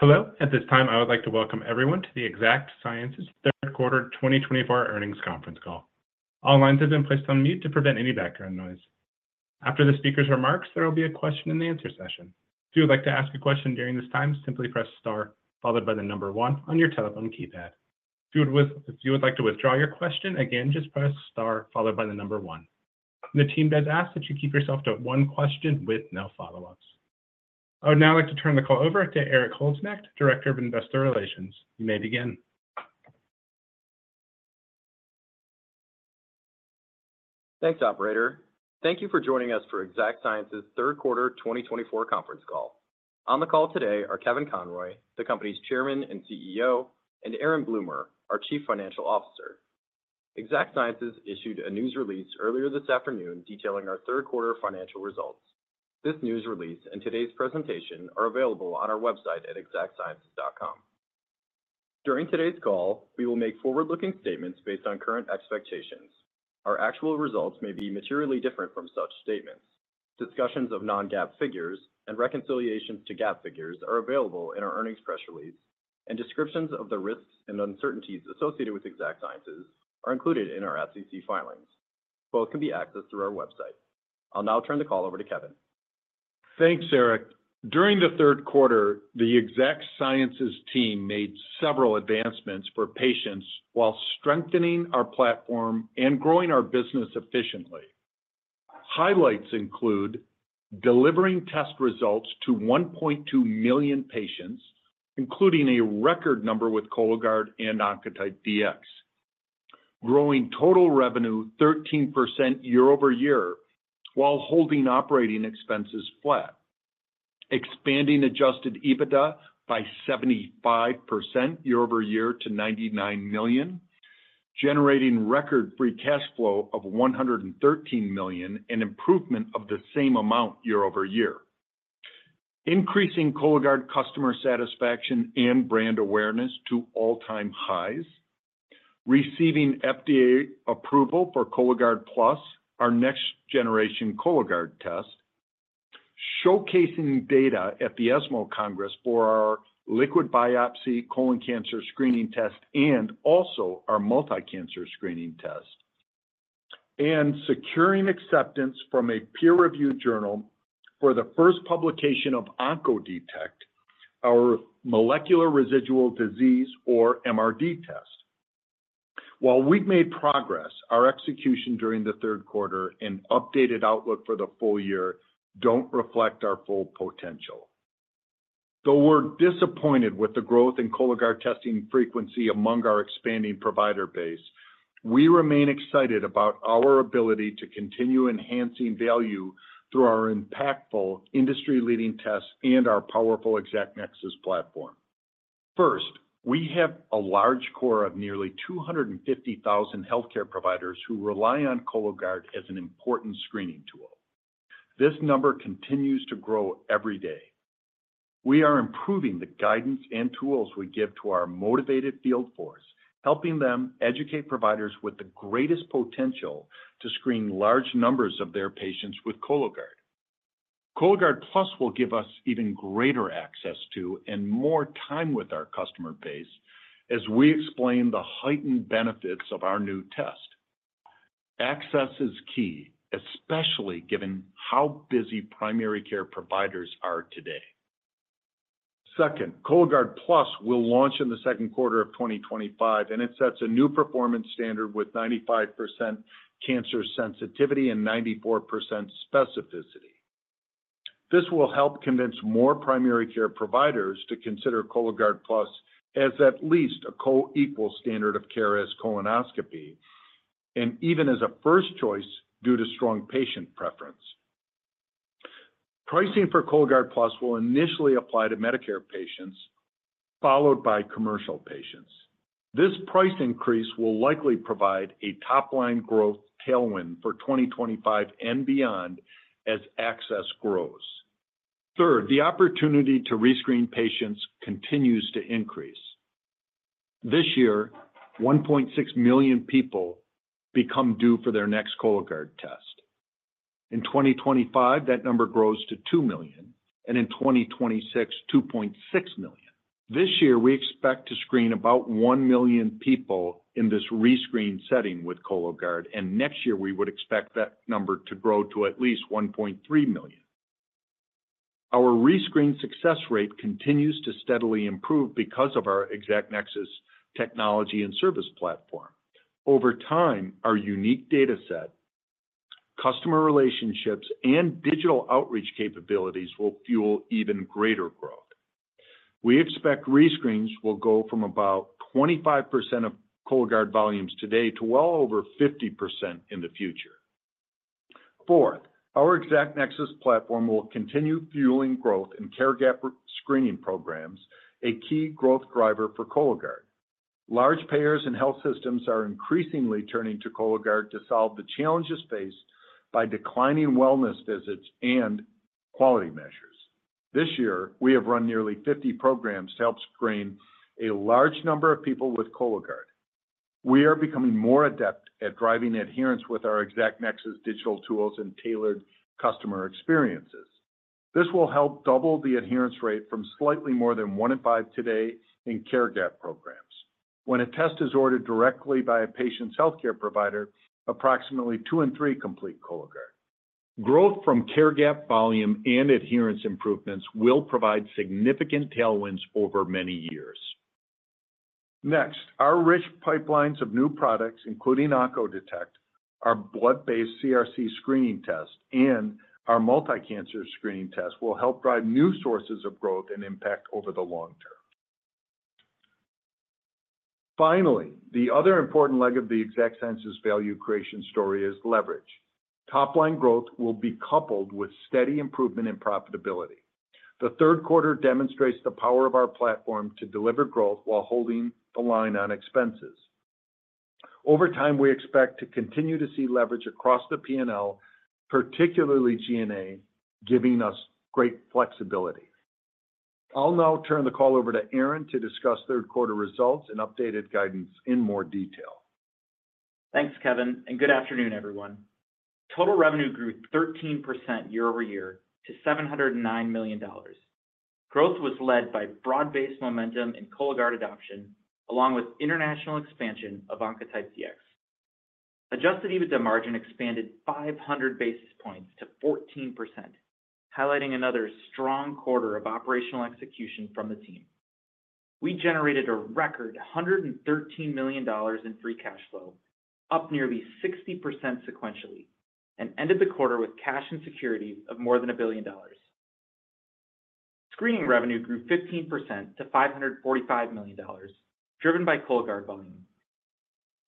Hello. At this time, I would like to welcome everyone to the Exact Sciences Third Quarter 2024 Earnings Conference Call. All lines have been placed on mute to prevent any background noise. After the speaker's remarks, there will be a question-and-answer session. If you would like to ask a question during this time, simply press star, followed by the number one on your telephone keypad. If you would like to withdraw your question, again, just press star, followed by the number one. The team has asked that you keep yourself to one question with no follow-ups. I would now like to turn the call over to Erik Holznecht, Director of Investor Relations. You may begin. Thanks, Operator. Thank you for joining us for Exact Sciences' third quarter 2024 conference call. On the call today are Kevin Conroy, the company's Chairman and CEO, and Aaron Bloomer, our Chief Financial Officer. Exact Sciences issued a news release earlier this afternoon detailing our third quarter financial results. This news release and today's presentation are available on our website at exactsciences.com. During today's call, we will make forward-looking statements based on current expectations. Our actual results may be materially different from such statements. Discussions of non-GAAP figures and reconciliations to GAAP figures are available in our earnings press release, and descriptions of the risks and uncertainties associated with Exact Sciences are included in our SEC filings. Both can be accessed through our website. I'll now turn the call over to Kevin. Thanks, Erik. During the third quarter, the Exact Sciences team made several advancements for patients while strengthening our platform and growing our business efficiently. Highlights include delivering test results to 1.2 million patients, including a record number with Cologuard and Oncotype DX, growing total revenue 13% year-over-year while holding operating expenses flat, expanding Adjusted EBITDA by 75% year-over-year to $99 million, generating record free cash flow of $113 million and improvement of the same amount year-over-year, increasing Cologuard customer satisfaction and brand awareness to all-time highs, receiving FDA approval for Cologuard Plus, our next-generation Cologuard test, showcasing data at the ESMO Congress for our liquid biopsy colon cancer screening test and also our multi-cancer screening test, and securing acceptance from a peer-reviewed journal for the first publication of Oncodetect, our molecular residual disease or MRD test. While we've made progress, our execution during the third quarter and updated outlook for the full year don't reflect our full potential. Though we're disappointed with the growth in Cologuard testing frequency among our expanding provider base, we remain excited about our ability to continue enhancing value through our impactful industry-leading tests and our powerful ExactNexus platform. First, we have a large core of nearly 250,000 healthcare providers who rely on Cologuard as an important screening tool. This number continues to grow every day. We are improving the guidance and tools we give to our motivated field force, helping them educate providers with the greatest potential to screen large numbers of their patients with Cologuard. Cologuard Plus will give us even greater access to and more time with our customer base as we explain the heightened benefits of our new test. Access is key, especially given how busy primary care providers are today. Second, Cologuard Plus will launch in the second quarter of 2025, and it sets a new performance standard with 95% cancer sensitivity and 94% specificity. This will help convince more primary care providers to consider Cologuard Plus as at least a co-equal standard of care as colonoscopy and even as a first choice due to strong patient preference. Pricing for Cologuard Plus will initially apply to Medicare patients, followed by commercial patients. This price increase will likely provide a top-line growth tailwind for 2025 and beyond as access grows. Third, the opportunity to rescreen patients continues to increase. This year, 1.6 million people become due for their next Cologuard test. In 2025, that number grows to 2 million, and in 2026, 2.6 million. This year, we expect to screen about 1 million people in this rescreen setting with Cologuard, and next year, we would expect that number to grow to at least 1.3 million. Our rescreen success rate continues to steadily improve because of our ExactNexus technology and service platform. Over time, our unique data set, customer relationships, and digital outreach capabilities will fuel even greater growth. We expect rescreens will go from about 25% of Cologuard volumes today to well over 50% in the future. Fourth, our ExactNexus platform will continue fueling growth in care gap screening programs, a key growth driver for Cologuard. Large payers and health systems are increasingly turning to Cologuard to solve the challenges faced by declining wellness visits and quality measures. This year, we have run nearly 50 programs to help screen a large number of people with Cologuard. We are becoming more adept at driving adherence with our ExactNexus digital tools and tailored customer experiences. This will help double the adherence rate from slightly more than 1 in 5 today in care gap programs. When a test is ordered directly by a patient's healthcare provider, approximately 2 in 3 complete Cologuard. Growth from care gap volume and adherence improvements will provide significant tailwinds over many years. Next, our rich pipelines of new products, including Oncodetect, our blood-based CRC screening test, and our multi-cancer screening test will help drive new sources of growth and impact over the long term. Finally, the other important leg of the Exact Sciences value creation story is leverage. Top-line growth will be coupled with steady improvement in profitability. The third quarter demonstrates the power of our platform to deliver growth while holding the line on expenses. Over time, we expect to continue to see leverage across the P&L, particularly G&A, giving us great flexibility. I'll now turn the call over to Aaron to discuss third quarter results and updated guidance in more detail. Thanks, Kevin, and good afternoon, everyone. Total revenue grew 13% year-over-year to $709 million. Growth was led by broad-based momentum in Cologuard adoption, along with international expansion of Oncotype DX. Adjusted EBITDA margin expanded 500 basis points to 14%, highlighting another strong quarter of operational execution from the team. We generated a record $113 million in free cash flow, up nearly 60% sequentially, and ended the quarter with cash and securities of more than $1 billion. Screening revenue grew 15% to $545 million, driven by Cologuard volume.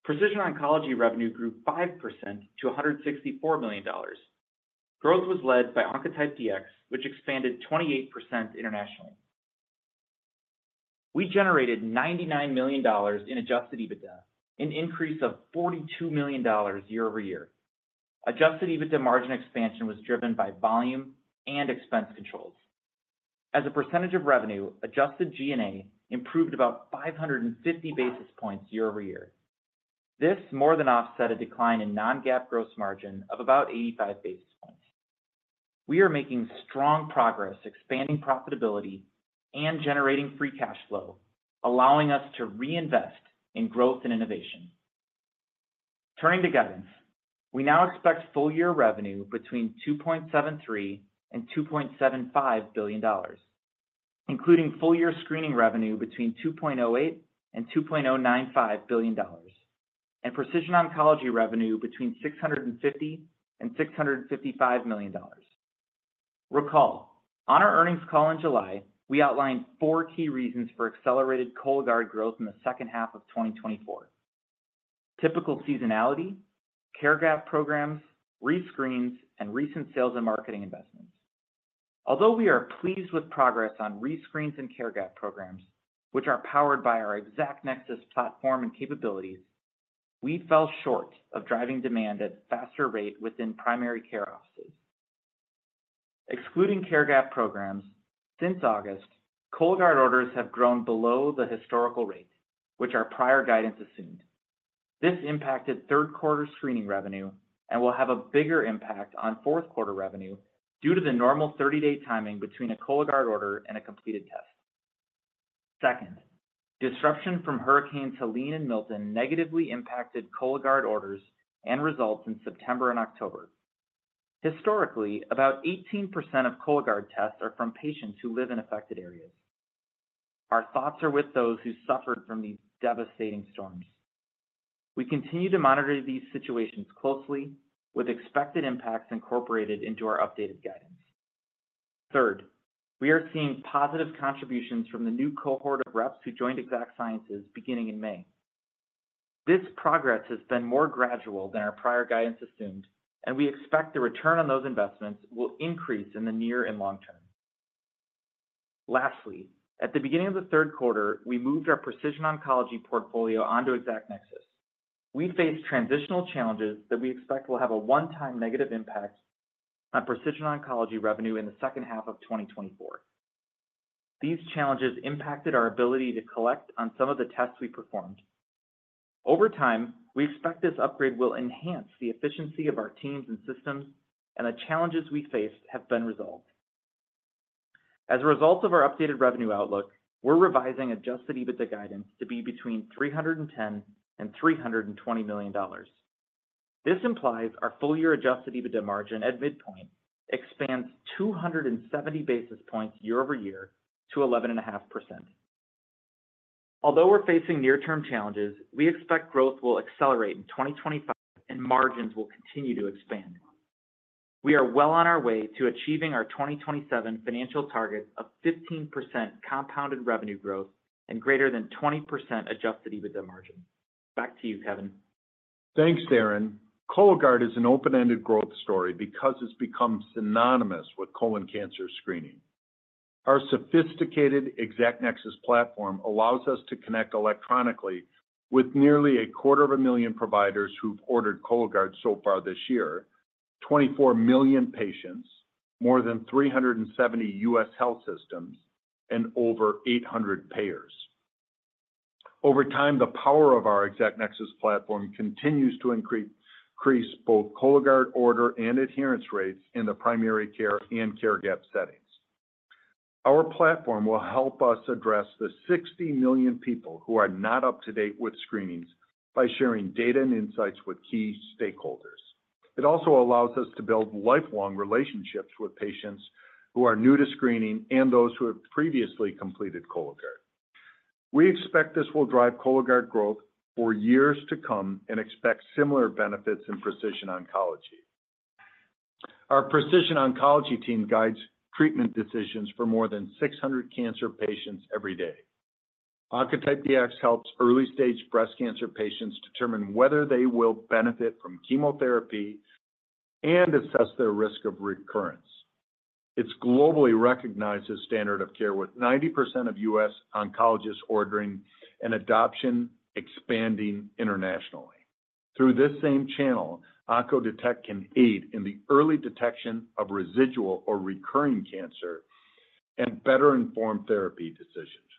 Precision oncology revenue grew 5% to $164 million. Growth was led by Oncotype DX, which expanded 28% internationally. We generated $99 million in adjusted EBITDA, an increase of $42 million year-over-year. Adjusted EBITDA margin expansion was driven by volume and expense controls. As a percentage of revenue, adjusted G&A improved about 550 basis points year-over-year. This more than offset a decline in non-GAAP gross margin of about 85 basis points. We are making strong progress expanding profitability and generating free cash flow, allowing us to reinvest in growth and innovation. Turning to guidance, we now expect full-year revenue between $2.73 billion and $2.75 billion, including full-year screening revenue between $2.08 billion and $2.095 billion, and precision oncology revenue between $650 million and $655 million. Recall, on our earnings call in July, we outlined four key reasons for accelerated Cologuard growth in the second half of 2024: typical seasonality, care gap programs, rescreens, and recent sales and marketing investments. Although we are pleased with progress on rescreens and care gap programs, which are powered by our ExactNexus platform and capabilities, we fell short of driving demand at a faster rate within primary care offices. Excluding care gap programs, since August, Cologuard orders have grown below the historical rate, which our prior guidance assumed. This impacted third quarter screening revenue and will have a bigger impact on fourth quarter revenue due to the normal 30-day timing between a Cologuard order and a completed test. Second, disruption from Hurricane Helene and Milton negatively impacted Cologuard orders and results in September and October. Historically, about 18% of Cologuard tests are from patients who live in affected areas. Our thoughts are with those who suffered from these devastating storms. We continue to monitor these situations closely, with expected impacts incorporated into our updated guidance. Third, we are seeing positive contributions from the new cohort of reps who joined Exact Sciences beginning in May. This progress has been more gradual than our prior guidance assumed, and we expect the return on those investments will increase in the near and long term. Lastly, at the beginning of the third quarter, we moved our precision oncology portfolio onto ExactNexus. We faced transitional challenges that we expect will have a one-time negative impact on precision oncology revenue in the second half of 2024. These challenges impacted our ability to collect on some of the tests we performed. Over time, we expect this upgrade will enhance the efficiency of our teams and systems, and the challenges we faced have been resolved. As a result of our updated revenue outlook, we're revising adjusted EBITDA guidance to be between $310 and $320 million. This implies our full-year adjusted EBITDA margin at midpoint expands 270 basis points year-over-year to 11.5%. Although we're facing near-term challenges, we expect growth will accelerate in 2025, and margins will continue to expand. We are well on our way to achieving our 2027 financial target of 15% compounded revenue growth and greater than 20% Adjusted EBITDA margin. Back to you, Kevin. Thanks, Aaron. Cologuard is an open-ended growth story because it's become synonymous with colon cancer screening. Our sophisticated ExactNexus platform allows us to connect electronically with nearly 250,000 providers who've ordered Cologuard so far this year, 24 million patients, more than 370 U.S. health systems, and over 800 payers. Over time, the power of our ExactNexus platform continues to increase both Cologuard order and adherence rates in the primary care and care gap settings. Our platform will help us address the 60 million people who are not up to date with screenings by sharing data and insights with key stakeholders. It also allows us to build lifelong relationships with patients who are new to screening and those who have previously completed Cologuard. We expect this will drive Cologuard growth for years to come and expect similar benefits in precision oncology. Our precision oncology team guides treatment decisions for more than 600 cancer patients every day. Oncotype DX helps early-stage breast cancer patients determine whether they will benefit from chemotherapy and assess their risk of recurrence. It's globally recognized as standard of care, with 90% of U.S. oncologists ordering and adoption expanding internationally. Through this same channel, Oncodetect can aid in the early detection of residual or recurring cancer and better inform therapy decisions.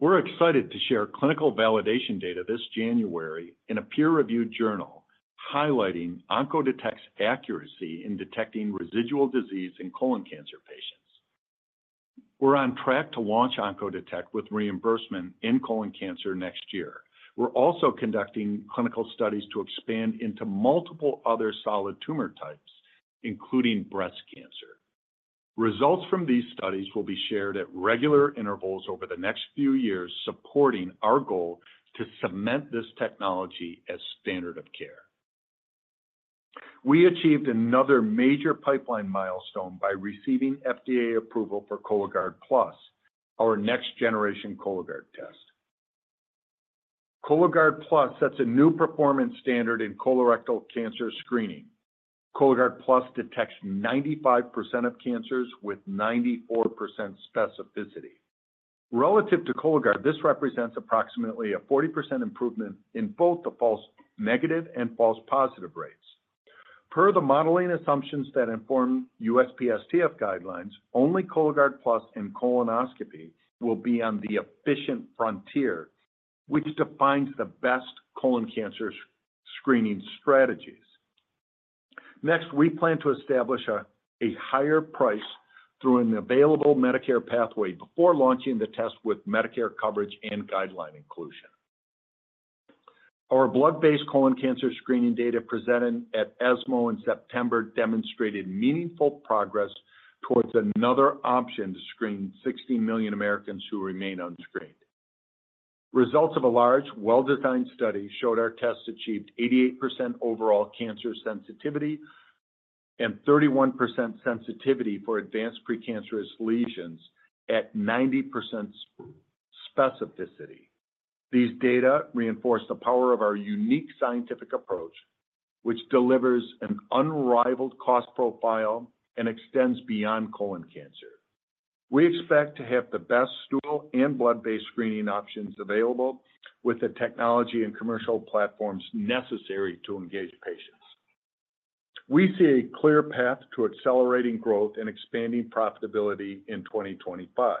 We're excited to share clinical validation data this January in a peer-reviewed journal highlighting Oncodetect's accuracy in detecting residual disease in colon cancer patients. We're on track to launch Oncodetect with reimbursement in colon cancer next year. We're also conducting clinical studies to expand into multiple other solid tumor types, including breast cancer. Results from these studies will be shared at regular intervals over the next few years, supporting our goal to cement this technology as standard of care. We achieved another major pipeline milestone by receiving FDA approval for Cologuard Plus, our next-generation Cologuard test. Cologuard Plus sets a new performance standard in colorectal cancer screening. Cologuard Plus detects 95% of cancers with 94% specificity. Relative to Cologuard, this represents approximately a 40% improvement in both the false negative and false positive rates. Per the modeling assumptions that inform USPSTF guidelines, only Cologuard Plus and colonoscopy will be on the efficient frontier, which defines the best colon cancer screening strategies. Next, we plan to establish a higher price through an available Medicare pathway before launching the test with Medicare coverage and guideline inclusion. Our blood-based colon cancer screening data presented at ESMO in September demonstrated meaningful progress towards another option to screen 60 million Americans who remain unscreened. Results of a large, well-designed study showed our tests achieved 88% overall cancer sensitivity and 31% sensitivity for advanced precancerous lesions at 90% specificity. These data reinforce the power of our unique scientific approach, which delivers an unrivaled cost profile and extends beyond colon cancer. We expect to have the best stool and blood-based screening options available, with the technology and commercial platforms necessary to engage patients. We see a clear path to accelerating growth and expanding profitability in 2025.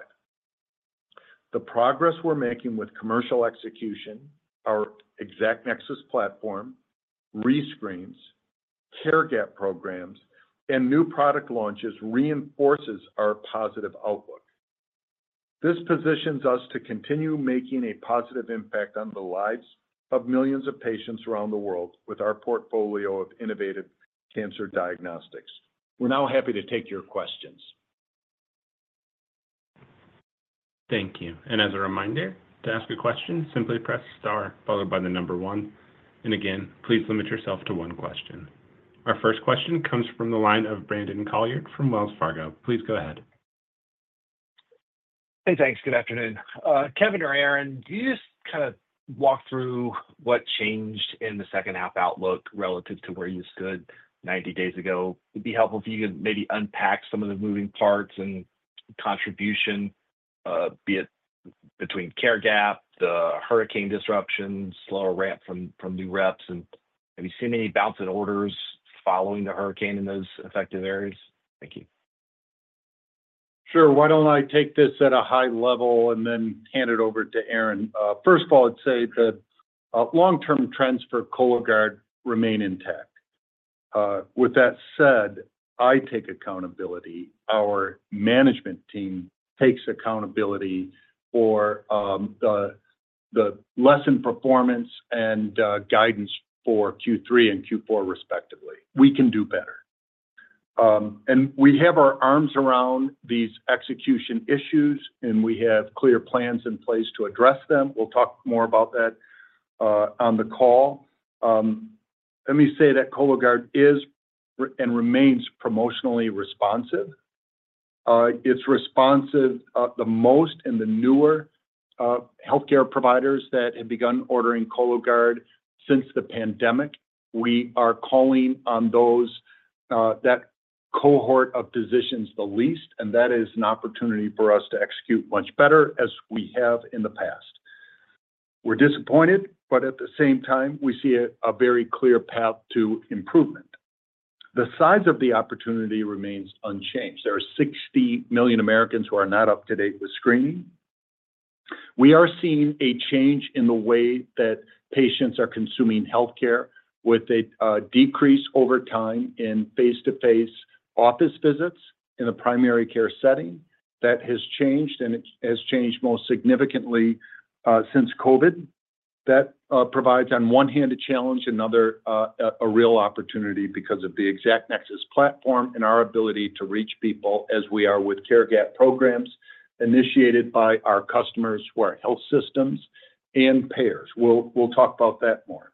The progress we're making with commercial execution, our ExactNexus platform, rescreens, care gap programs, and new product launches reinforces our positive outlook. This positions us to continue making a positive impact on the lives of millions of patients around the world with our portfolio of innovative cancer diagnostics. We're now happy to take your questions. Thank you. And as a reminder, to ask a question, simply press star, followed by the number one. And again, please limit yourself to one question. Our first question comes from the line of Brandon Couillard from Wells Fargo. Please go ahead. Hey, thanks. Good afternoon. Kevin or Aaron, do you just kind of walk through what changed in the second-half outlook relative to where you stood 90 days ago? It'd be helpful for you to maybe unpack some of the moving parts and contribution, be it between care gap, the hurricane disruptions, slower ramp from new reps, and have you seen any bouncing orders following the hurricane in those affected areas? Thank you. Sure. Why don't I take this at a high level and then hand it over to Aaron? First of all, I'd say the long-term trends for Cologuard remain intact. With that said, I take accountability. Our management team takes accountability for the lessened performance and guidance for Q3 and Q4, respectively. We can do better, and we have our arms around these execution issues, and we have clear plans in place to address them. We'll talk more about that on the call. Let me say that Cologuard is and remains promotionally responsive. It's responsive the most in the newer healthcare providers that have begun ordering Cologuard since the pandemic. We are calling on that cohort of physicians the least, and that is an opportunity for us to execute much better as we have in the past. We're disappointed, but at the same time, we see a very clear path to improvement. The size of the opportunity remains unchanged. There are 60 million Americans who are not up to date with screening. We are seeing a change in the way that patients are consuming healthcare, with a decrease over time in face-to-face office visits in the primary care setting. That has changed, and it has changed most significantly since COVID. That provides, on one hand, a challenge, another, a real opportunity because of the ExactNexus platform and our ability to reach people as we are with care gap programs initiated by our customers who are health systems and payers. We'll talk about that more.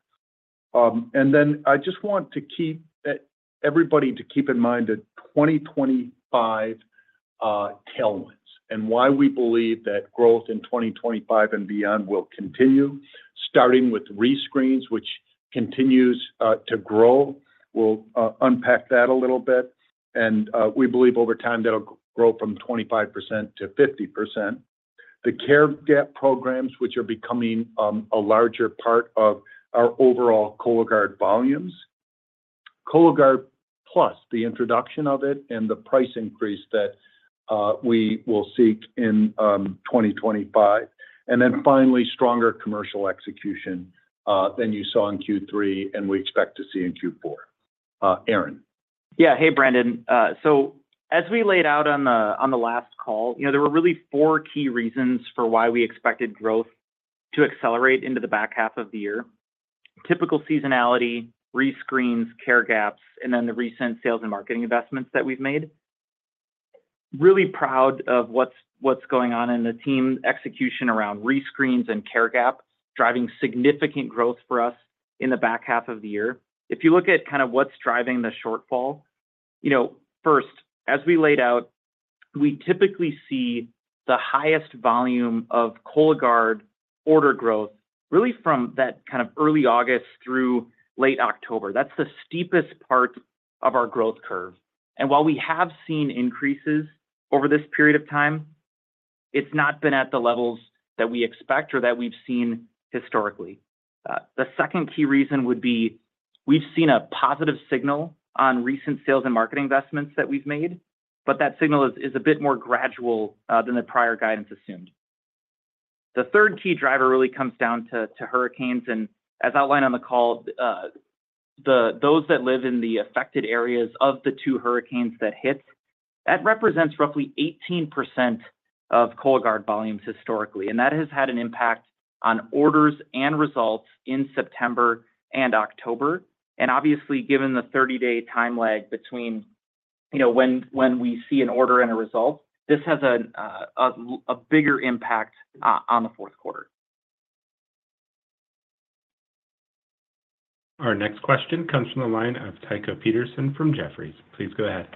I just want to keep everybody in mind the 2025 tailwinds and why we believe that growth in 2025 and beyond will continue, starting with rescreens, which continues to grow. We'll unpack that a little bit. We believe over time that'll grow from 25% to 50%. The care gap programs, which are becoming a larger part of our overall Cologuard volumes. Cologuard Plus, the introduction of it and the price increase that we will seek in 2025. Finally, stronger commercial execution than you saw in Q3 and we expect to see in Q4. Aaron. Yeah. Hey, Brandon, so as we laid out on the last call, there were really four key reasons for why we expected growth to accelerate into the back half of the year: typical seasonality, rescreens, care gaps, and then the recent sales and marketing investments that we've made. Really proud of what's going on in the team execution around rescreens and care gap, driving significant growth for us in the back half of the year. If you look at kind of what's driving the shortfall, first, as we laid out, we typically see the highest volume of Cologuard order growth really from that kind of early August through late October. That's the steepest part of our growth curve, and while we have seen increases over this period of time, it's not been at the levels that we expect or that we've seen historically. The second key reason would be we've seen a positive signal on recent sales and marketing investments that we've made, but that signal is a bit more gradual than the prior guidance assumed. The third key driver really comes down to hurricanes, and as outlined on the call, those that live in the affected areas of the two hurricanes that hit, that represents roughly 18% of Cologuard volumes historically, and that has had an impact on orders and results in September and October, and obviously, given the 30-day time lag between when we see an order and a result, this has a bigger impact on the fourth quarter. Our next question comes from the line of Tycho Peterson from Jefferies. Please go ahead.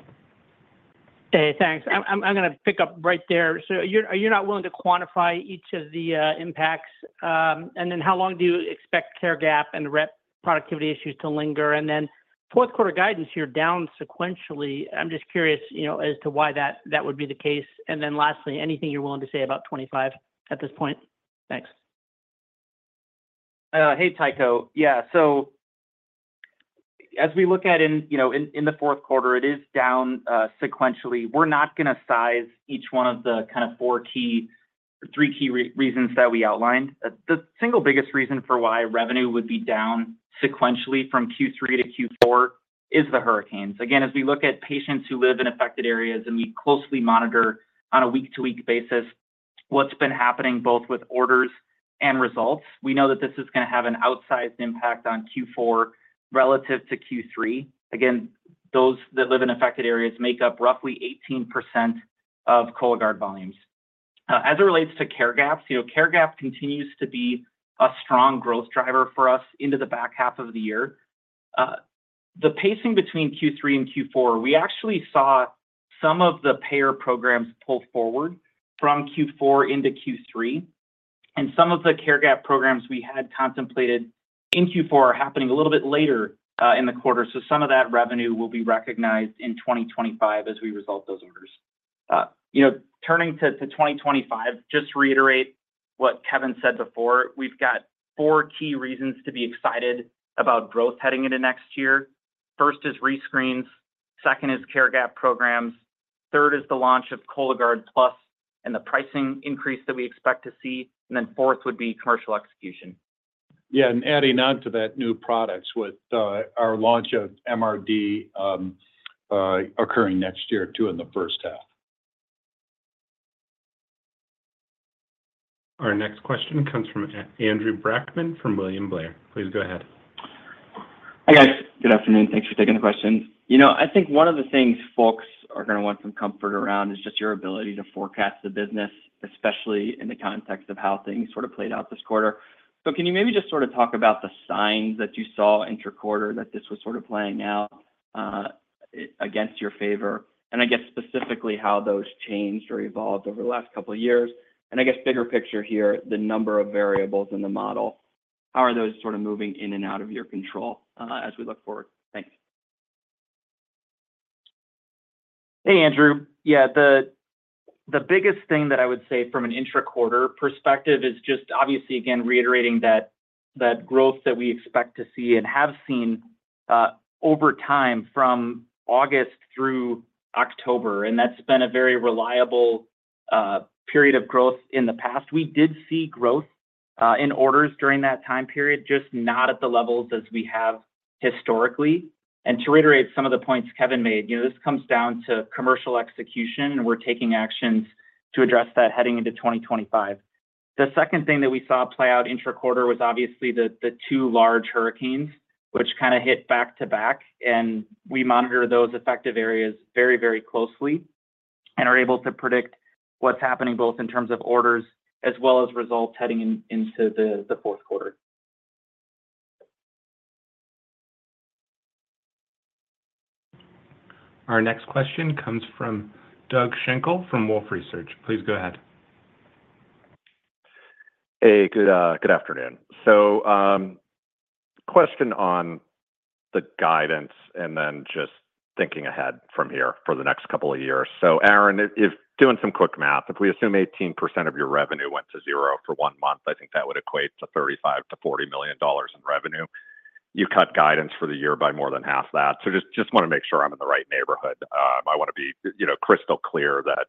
Hey, thanks. I'm going to pick up right there. So are you not willing to quantify each of the impacts? And then how long do you expect care gap and rep productivity issues to linger? And then fourth quarter guidance, you're down sequentially. I'm just curious as to why that would be the case. And then lastly, anything you're willing to say about 2025 at this point? Thanks. Hey, Tycho. Yeah. So as we look at in the fourth quarter, it is down sequentially. We're not going to size each one of the kind of four key or three key reasons that we outlined. The single biggest reason for why revenue would be down sequentially from Q3 to Q4 is the hurricanes. Again, as we look at patients who live in affected areas and we closely monitor on a week-to-week basis what's been happening both with orders and results, we know that this is going to have an outsized impact on Q4 relative to Q3. Again, those that live in affected areas make up roughly 18% of Cologuard volumes. As it relates to care gaps, care gap continues to be a strong growth driver for us into the back half of the year. The pacing between Q3 and Q4, we actually saw some of the payer programs pull forward from Q4 into Q3. Some of the care gap programs we had contemplated in Q4 are happening a little bit later in the quarter. So some of that revenue will be recognized in 2025 as we fulfill those orders. Turning to 2025, just to reiterate what Kevin said before, we've got four key reasons to be excited about growth heading into next year. First is rescreens. Second is care gap programs. Third is the launch of Cologuard Plus and the pricing increase that we expect to see. Then fourth would be commercial execution. Yeah. And adding on to that, new products with our launch of MRD occurring next year too in the first half. Our next question comes from Andrew Brackmann from William Blair. Please go ahead. Hi, guys. Good afternoon. Thanks for taking the question. I think one of the things folks are going to want some comfort around is just your ability to forecast the business, especially in the context of how things sort of played out this quarter. So can you maybe just sort of talk about the signs that you saw inter-quarter that this was sort of playing out against your favor? And I guess specifically how those changed or evolved over the last couple of years. And I guess bigger picture here, the number of variables in the model, how are those sort of moving in and out of your control as we look forward? Thanks. Hey, Andrew. Yeah. The biggest thing that I would say from an intraquarter perspective is just obviously, again, reiterating that growth that we expect to see and have seen over time from August through October. And that's been a very reliable period of growth in the past. We did see growth in orders during that time period, just not at the levels as we have historically. And to reiterate some of the points Kevin made, this comes down to commercial execution, and we're taking actions to address that heading into 2025. The second thing that we saw play out intraquarter was obviously the two large hurricanes, which kind of hit back to back. And we monitor those affected areas very, very closely and are able to predict what's happening both in terms of orders as well as results heading into the fourth quarter. Our next question comes from Doug Schenkel from Wolfe Research. Please go ahead. Hey, good afternoon. So question on the guidance and then just thinking ahead from here for the next couple of years. So Aaron, if doing some quick math, if we assume 18% of your revenue went to zero for one month, I think that would equate to $35 million-$40 million in revenue. You cut guidance for the year by more than half that. So just want to make sure I'm in the right neighborhood. I want to be crystal clear that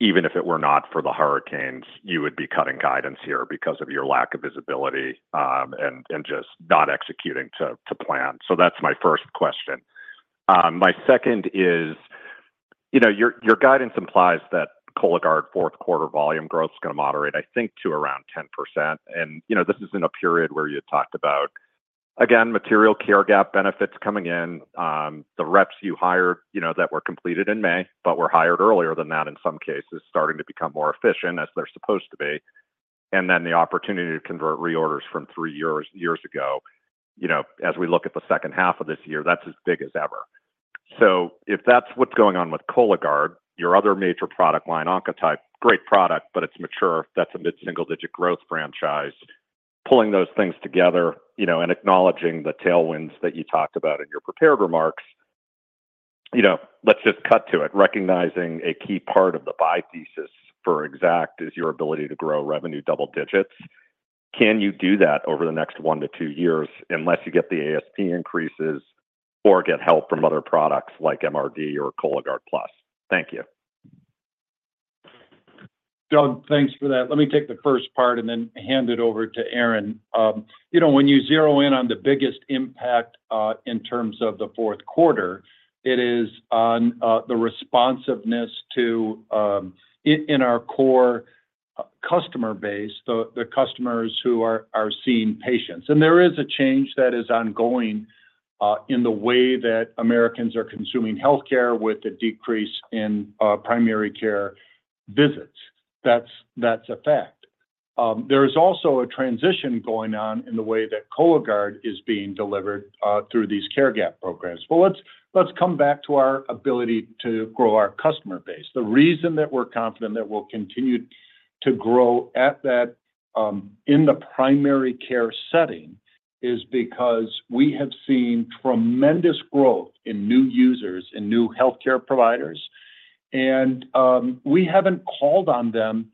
even if it were not for the hurricanes, you would be cutting guidance here because of your lack of visibility and just not executing to plan. So that's my first question. My second is your guidance implies that Cologuard fourth quarter volume growth is going to moderate, I think, to around 10% and this is in a period where you talked about, again, material care gap benefits coming in, the reps you hired that were completed in May, but were hired earlier than that in some cases, starting to become more efficient as they're supposed to be. And then the opportunity to convert reorders from three years ago. As we look at the second half of this year, that's as big as ever. So if that's what's going on with Cologuard, your other major product line, Oncotype, great product, but it's mature. That's a mid-single-digit growth franchise. Pulling those things together and acknowledging the tailwinds that you talked about in your prepared remarks, let's just cut to it. Recognizing a key part of the buy thesis for Exact is your ability to grow revenue double digits. Can you do that over the next one to two years unless you get the ASP increases or get help from other products like MRD or Cologuard Plus? Thank you. Doug, thanks for that. Let me take the first part and then hand it over to Aaron. When you zero in on the biggest impact in terms of the fourth quarter, it is on the responsiveness, in our core customer base, the customers who are seeing patients. There is a change that is ongoing in the way that Americans are consuming healthcare with a decrease in primary care visits. That's a fact. There is also a transition going on in the way that Cologuard is being delivered through these care gap programs. Let's come back to our ability to grow our customer base. The reason that we're confident that we'll continue to grow in the primary care setting is because we have seen tremendous growth in new users and new healthcare providers, and we haven't called on them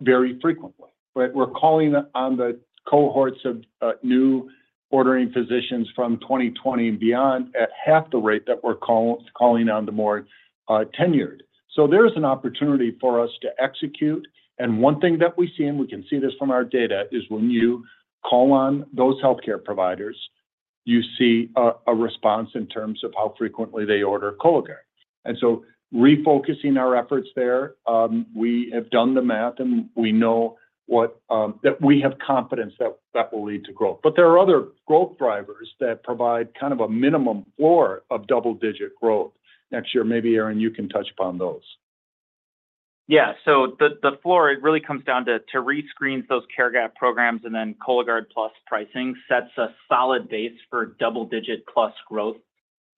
very frequently. We're calling on the cohorts of new ordering physicians from 2020 and beyond at half the rate that we're calling on the more tenured. So there is an opportunity for us to execute. And one thing that we see, and we can see this from our data, is when you call on those healthcare providers, you see a response in terms of how frequently they order Cologuard. And so refocusing our efforts there, we have done the math, and we know that we have confidence that that will lead to growth. But there are other growth drivers that provide kind of a minimum floor of double-digit growth. Next year, maybe, Aaron, you can touch upon those. Yeah. So the floor, it really comes down to rescreens those care gap programs, and then Cologuard Plus pricing sets a solid base for double-digit plus growth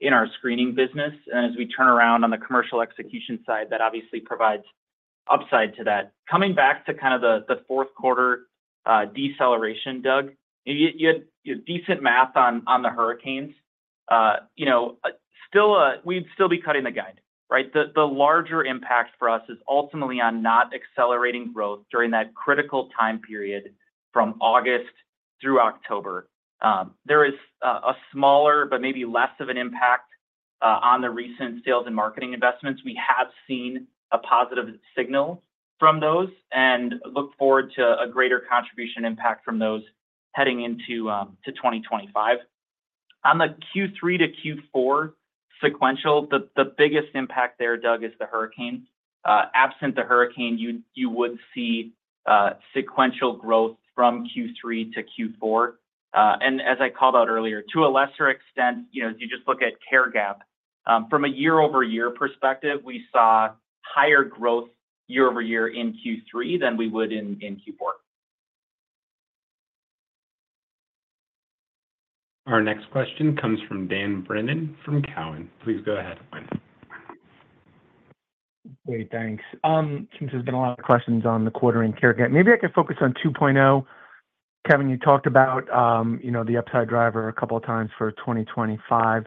in our screening business. And as we turn around on the commercial execution side, that obviously provides upside to that. Coming back to kind of the fourth quarter deceleration, Doug, you had decent math on the hurricanes. We'd still be cutting the guide, right? The larger impact for us is ultimately on not accelerating growth during that critical time period from August through October. There is a smaller, but maybe less of an impact on the recent sales and marketing investments. We have seen a positive signal from those and look forward to a greater contribution impact from those heading into 2025. On the Q3 to Q4 sequential, the biggest impact there, Doug, is the hurricane. Absent the hurricane, you would see sequential growth from Q3 to Q4, and as I called out earlier, to a lesser extent, if you just look at care gap, from a year-over-year perspective, we saw higher growth year-over-year in Q3 than we would in Q4. Our next question comes from Dan Brennan from Cowen. Please go ahead, Brennan. Great. Thanks. Seems there's been a lot of questions on the quarter in care gap. Maybe I could focus on 2.0. Kevin, you talked about the upside driver a couple of times for 2025.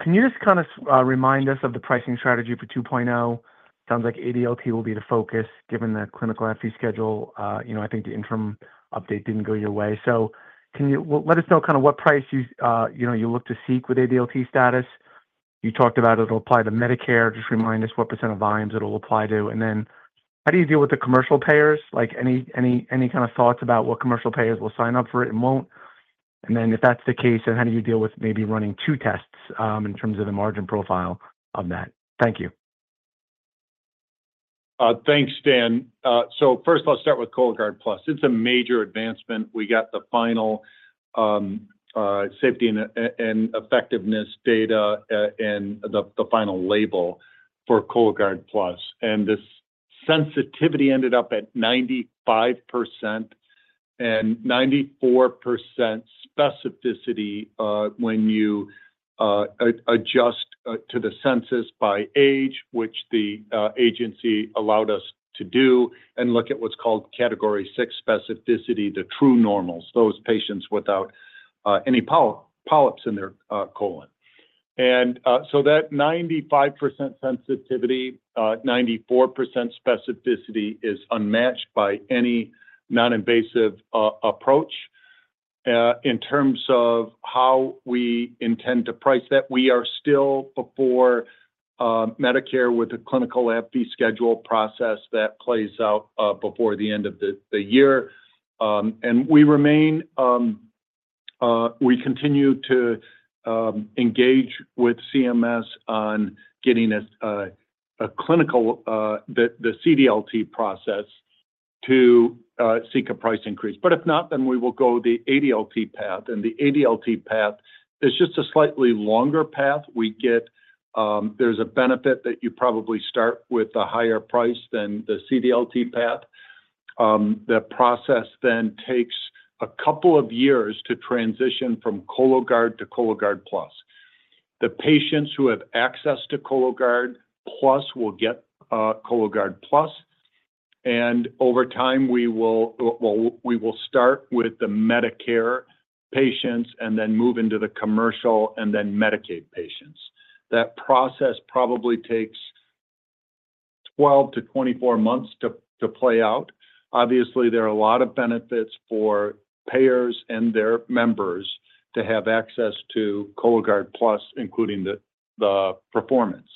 Can you just kind of remind us of the pricing strategy for 2.0? Sounds like ADLT will be the focus given the clinical fee schedule. I think the interim update didn't go your way. So let us know kind of what price you look to seek with ADLT status. You talked about it'll apply to Medicare. Just remind us what percent of volumes it'll apply to. And then how do you deal with the commercial payers? Any kind of thoughts about what commercial payers will sign up for it and won't? And then if that's the case, then how do you deal with maybe running two tests in terms of the margin profile of that? Thank you. Thanks, Dan. So first, let's start with Cologuard Plus. It's a major advancement. We got the final safety and effectiveness data and the final label for Cologuard Plus. And the sensitivity ended up at 95% and 94% specificity when you adjust to the census by age, which the agency allowed us to do, and look at what's called category six specificity, the true normals, those patients without any polyps in their colon. And so that 95% sensitivity, 94% specificity is unmatched by any non-invasive approach. In terms of how we intend to price that, we are still before Medicare with a clinical fee schedule process that plays out before the end of the year. And we continue to engage with CMS on getting a clinical, the CDLT process to seek a price increase. But if not, then we will go the ADLT path. The ADLT path is just a slightly longer path. There's a benefit that you probably start with a higher price than the CDLT path. The process then takes a couple of years to transition from Cologuard to Cologuard Plus. The patients who have access to Cologuard Plus will get Cologuard Plus. Over time, we will start with the Medicare patients and then move into the commercial and then Medicaid patients. That process probably takes 12-24 months to play out. Obviously, there are a lot of benefits for payers and their members to have access to Cologuard Plus, including the performance.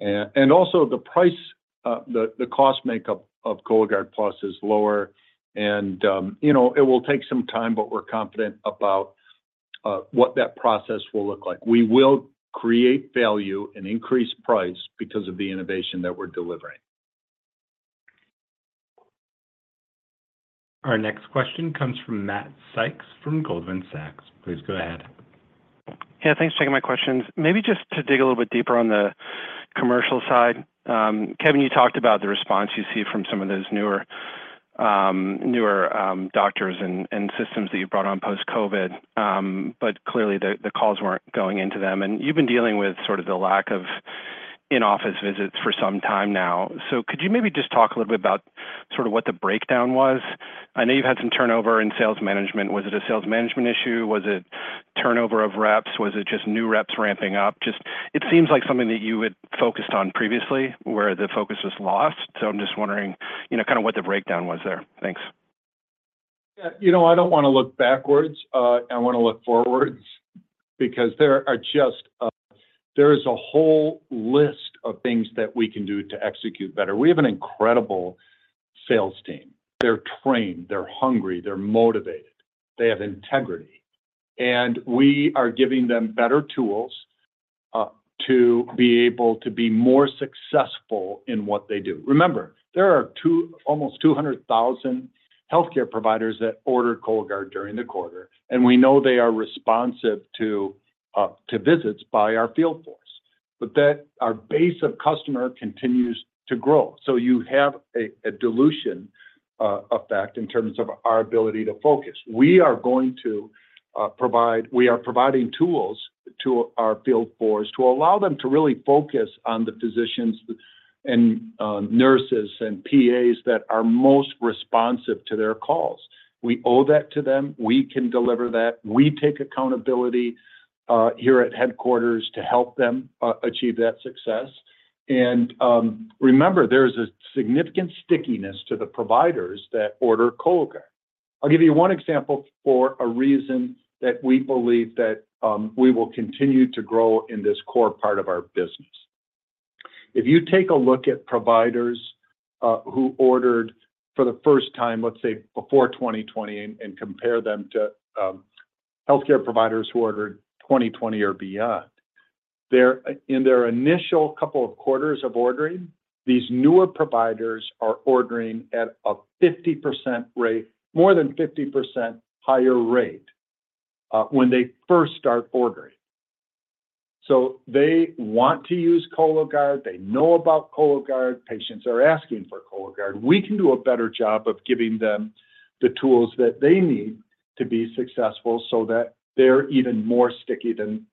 Also, the cost makeup of Cologuard Plus is lower. It will take some time, but we're confident about what that process will look like. We will create value and increase price because of the innovation that we're delivering. Our next question comes from Matt Sykes from Goldman Sachs. Please go ahead. Yeah. Thanks for taking my questions. Maybe just to dig a little bit deeper on the commercial side. Kevin, you talked about the response you see from some of those newer doctors and systems that you brought on post-COVID. But clearly, the calls weren't going into them. And you've been dealing with sort of the lack of in-office visits for some time now. So could you maybe just talk a little bit about sort of what the breakdown was? I know you've had some turnover in sales management. Was it a sales management issue? Was it turnover of reps? Was it just new reps ramping up? It seems like something that you had focused on previously where the focus was lost. So I'm just wondering kind of what the breakdown was there. Thanks. Yeah. I don't want to look backwards. I want to look forwards because there are just a whole list of things that we can do to execute better. We have an incredible sales team. They're trained. They're hungry. They're motivated. They have integrity. And we are giving them better tools to be able to be more successful in what they do. Remember, there are almost 200,000 healthcare providers that ordered Cologuard during the quarter. And we know they are responsive to visits by our field force. But our base of customer continues to grow. So you have a dilution effect in terms of our ability to focus. We are going to provide, we are providing tools to our field force to allow them to really focus on the physicians and nurses and PAs that are most responsive to their calls. We owe that to them. We can deliver that. We take accountability here at headquarters to help them achieve that success, and remember, there is a significant stickiness to the providers that order Cologuard. I'll give you one example for a reason that we believe that we will continue to grow in this core part of our business. If you take a look at providers who ordered for the first time, let's say, before 2020, and compare them to healthcare providers who ordered 2020 or beyond, in their initial couple of quarters of ordering, these newer providers are ordering at a 50% rate, more than 50% higher rate when they first start ordering, so they want to use Cologuard. They know about Cologuard. Patients are asking for Cologuard. We can do a better job of giving them the tools that they need to be successful so that they're even more sticky than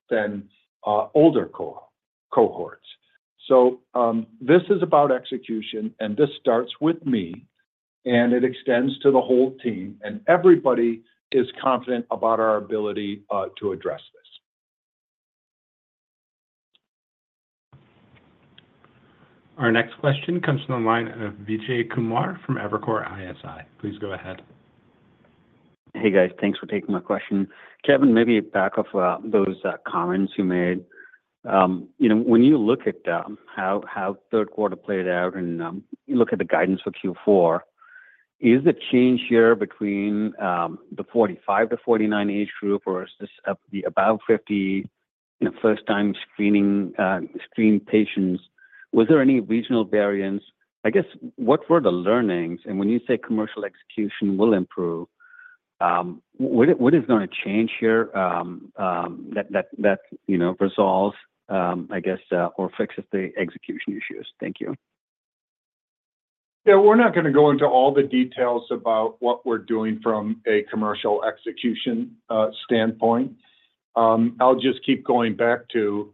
older cohorts, so this is about execution. This starts with me. It extends to the whole team. Everybody is confident about our ability to address this. Our next question comes from the line of Vijay Kumar from Evercore ISI. Please go ahead. Hey, guys. Thanks for taking my question. Kevin, maybe back off those comments you made. When you look at how third quarter played out and you look at the guidance for Q4, is the change here between the 45-49 age group or the above 50 first-time screen patients? Was there any regional variance? I guess, what were the learnings? And when you say commercial execution will improve, what is going to change here that resolves, I guess, or fixes the execution issues? Thank you. Yeah. We're not going to go into all the details about what we're doing from a commercial execution standpoint. I'll just keep going back to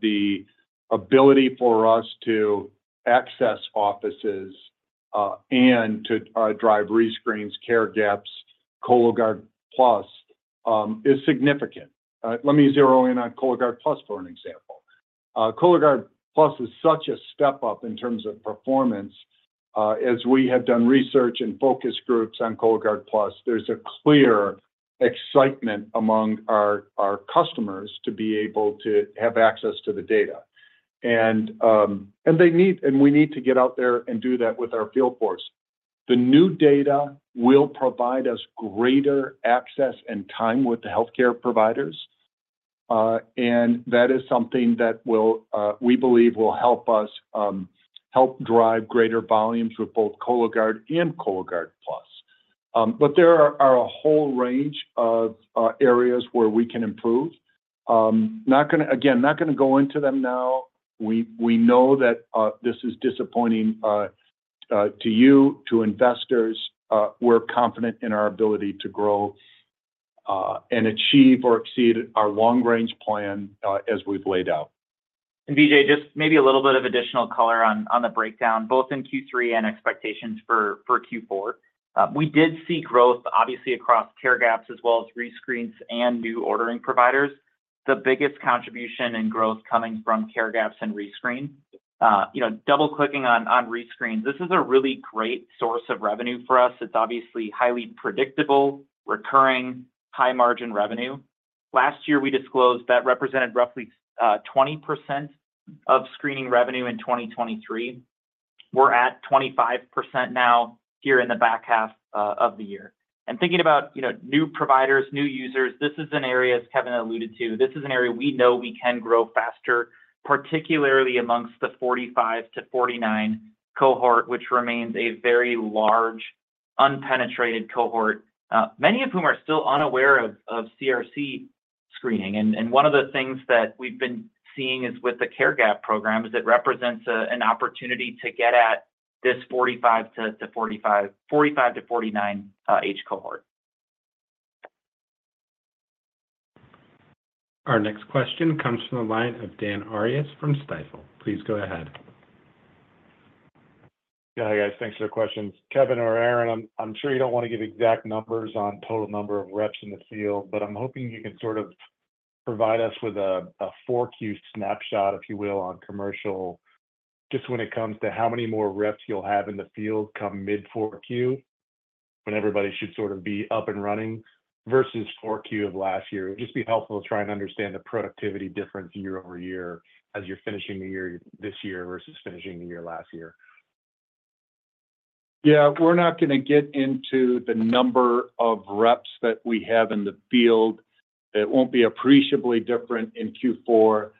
the ability for us to access offices and to drive rescreens, care gaps. Cologuard Plus is significant. Let me zero in on Cologuard Plus for an example. Cologuard Plus is such a step up in terms of performance. As we have done research and focus groups on Cologuard Plus, there's a clear excitement among our customers to be able to have access to the data. And we need to get out there and do that with our field force. The new data will provide us greater access and time with the healthcare providers. And that is something that we believe will help us help drive greater volumes with both Cologuard and Cologuard Plus. But there are a whole range of areas where we can improve. Again, not going to go into them now. We know that this is disappointing to you, to investors. We're confident in our ability to grow and achieve or exceed our long-range plan as we've laid out. Vijay, just maybe a little bit of additional color on the breakdown, both in Q3 and expectations for Q4. We did see growth, obviously, across care gaps as well as rescreens and new ordering providers. The biggest contribution in growth coming from care gaps and rescreens. Double-clicking on rescreens, this is a really great source of revenue for us. It's obviously highly predictable, recurring, high-margin revenue. Last year, we disclosed that represented roughly 20% of screening revenue in 2023. We're at 25% now here in the back half of the year. Thinking about new providers, new users, this is an area, as Kevin alluded to, this is an area we know we can grow faster, particularly among the 45-49 cohort, which remains a very large, unpenetrated cohort, many of whom are still unaware of CRC screening. One of the things that we've been seeing is, with the care gap program, it represents an opportunity to get at this 45-49 age cohort. Our next question comes from the line of Dan Arias from Stifel. Please go ahead. Yeah. Hey, guys. Thanks for the questions. Kevin or Aaron, I'm sure you don't want to give exact numbers on total number of reps in the field, but I'm hoping you can sort of provide us with a 4Q snapshot, if you will, on commercial, just when it comes to how many more reps you'll have in the field come mid-4Q, when everybody should sort of be up and running versus 4Q of last year. It would just be helpful to try and understand the productivity difference year over year as you're finishing the year this year versus finishing the year last year. Yeah. We're not going to get into the number of reps that we have in the field. It won't be appreciably different in Q4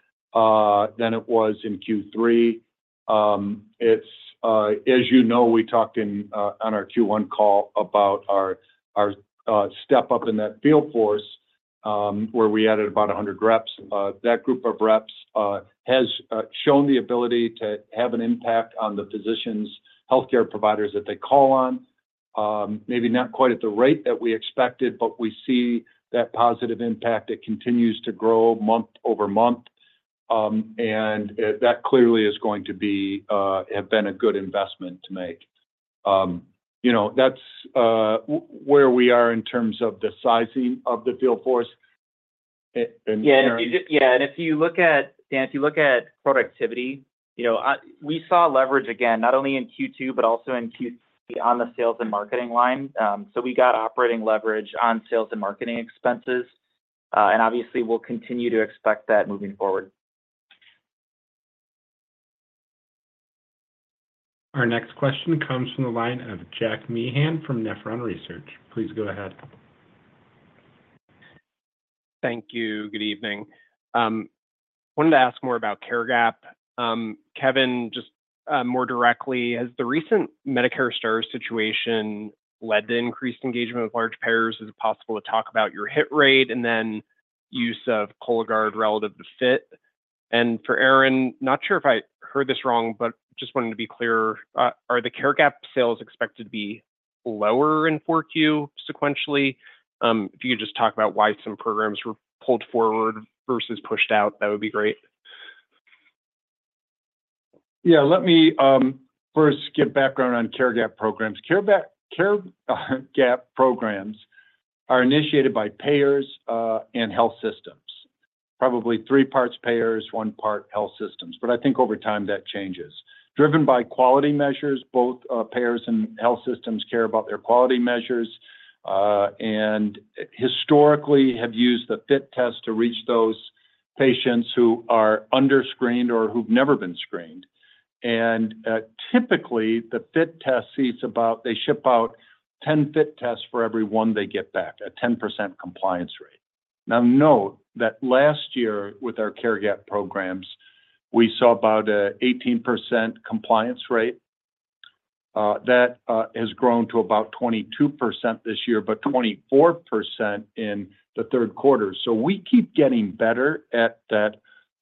than it was in Q3. As you know, we talked on our Q1 call about our step up in that field force where we added about 100 reps. That group of reps has shown the ability to have an impact on the physicians, healthcare providers that they call on, maybe not quite at the rate that we expected, but we see that positive impact. It continues to grow month over month. And that clearly is going to have been a good investment to make. That's where we are in terms of the sizing of the field force. Yeah. And if you look at productivity, Dan, we saw leverage again, not only in Q2, but also in Q3 on the sales and marketing line. So we got operating leverage on sales and marketing expenses. And obviously, we'll continue to expect that moving forward. Our next question comes from the line of Jack Meehan from Nephron Research. Please go ahead. Thank you. Good evening. Wanted to ask more about care gap. Kevin, just more directly, has the recent Medicare Stars situation led to increased engagement with large payers? Is it possible to talk about your hit rate and then use of Cologuard relative to FIT? And for Aaron, not sure if I heard this wrong, but just wanting to be clear, are the care gap sales expected to be lower in 4Q sequentially? If you could just talk about why some programs were pulled forward versus pushed out, that would be great. Yeah. Let me first give background on care gap programs. Care gap programs are initiated by payers and health systems, probably three parts payers, one part health systems. But I think over time, that changes. Driven by quality measures, both payers and health systems care about their quality measures and historically have used the FIT test to reach those patients who are underscreened or who've never been screened. And typically, the FIT test sees about they ship out 10 FIT tests for every one they get back, a 10% compliance rate. Now, note that last year with our care gap programs, we saw about an 18% compliance rate. That has grown to about 22% this year, but 24% in the third quarter. So we keep getting better at that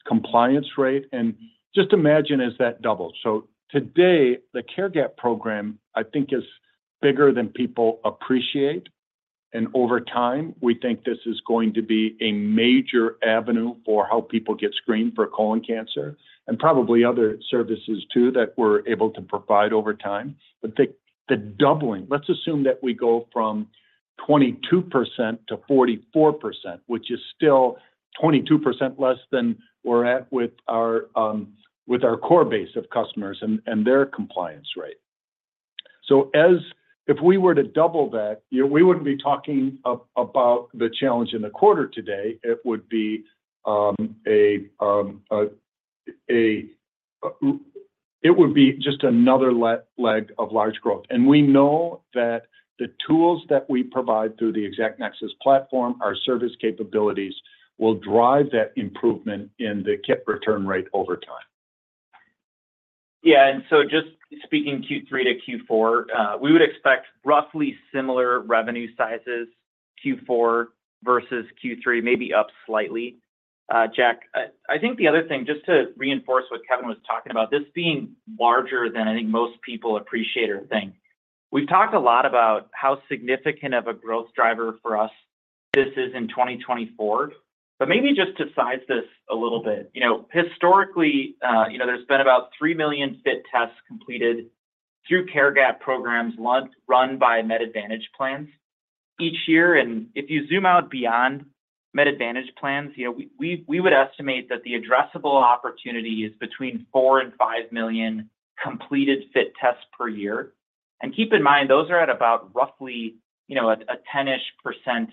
compliance rate. And just imagine as that doubles. So today, the care gap program, I think, is bigger than people appreciate. And over time, we think this is going to be a major avenue for how people get screened for colon cancer and probably other services too that we're able to provide over time. But the doubling, let's assume that we go from 22% to 44%, which is still 22% less than we're at with our core base of customers and their compliance rate. So if we were to double that, we wouldn't be talking about the challenge in the quarter today. It would be just another leg of large growth. And we know that the tools that we provide through the ExactNexus platform, our service capabilities will drive that improvement in the kit return rate over time. Yeah. And so just speaking Q3 to Q4, we would expect roughly similar revenue sizes Q4 versus Q3, maybe up slightly. Jack, I think the other thing, just to reinforce what Kevin was talking about, this being larger than I think most people appreciate or think, we've talked a lot about how significant of a growth driver for us this is in 2024. But maybe just to size this a little bit, historically, there's been about 3 million FIT tests completed through care gap programs run by Medicare Advantage plans each year. And if you zoom out beyond Medicare Advantage plans, we would estimate that the addressable opportunity is between 4 million and 5 million completed FIT tests per year. And keep in mind, those are at about roughly a 10-ish%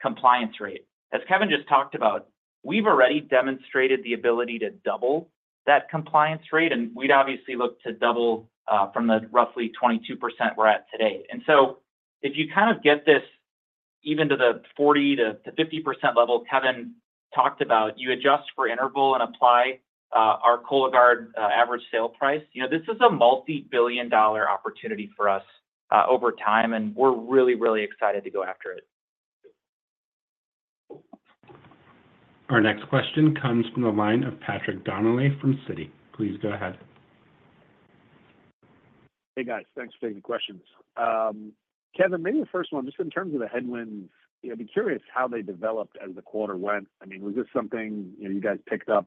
compliance rate. As Kevin just talked about, we've already demonstrated the ability to double that compliance rate. And we'd obviously look to double from the roughly 22% we're at today. And so if you kind of get this even to the 40%-50% level Kevin talked about, you adjust for interval and apply our Cologuard average sale price, this is a multi-billion-dollar opportunity for us over time. And we're really, really excited to go after it. Our next question comes from the line of Patrick Donnelly from Citi. Please go ahead. Hey, guys. Thanks for taking the questions. Kevin, maybe first of all, just in terms of the headwinds, I'd be curious how they developed as the quarter went. I mean, was this something you guys picked up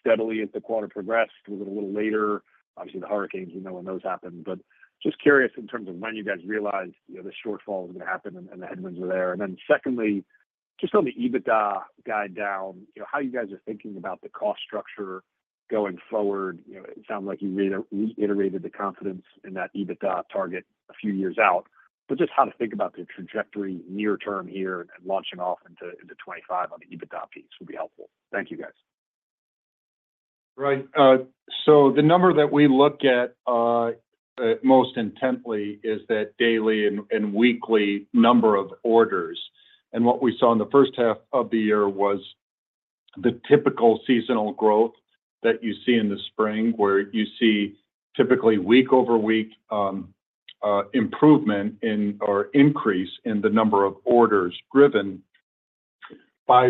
steadily as the quarter progressed? Was it a little later? Obviously, the hurricanes, we know when those happen. But just curious in terms of when you guys realized the shortfall was going to happen and the headwinds were there. And then secondly, just on the EBITDA guide down, how you guys are thinking about the cost structure going forward. It sounds like you reiterated the confidence in that EBITDA target a few years out. But just how to think about the trajectory near-term here and launching off into 2025 on the EBITDA piece would be helpful. Thank you, guys. Right. So the number that we look at most intently is that daily and weekly number of orders. And what we saw in the first half of the year was the typical seasonal growth that you see in the spring, where you see typically week over week improvement or increase in the number of orders driven by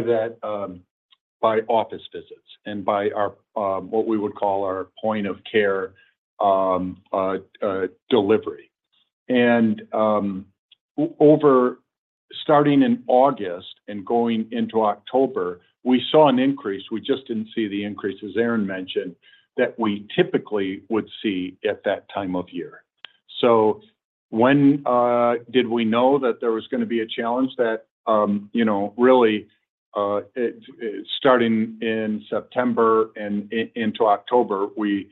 office visits and by what we would call our point of care delivery. And starting in August and going into October, we saw an increase. We just didn't see the increase, as Aaron mentioned, that we typically would see at that time of year. When did we know that there was going to be a challenge that really starting in September and into October? We